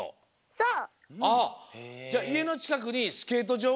そう。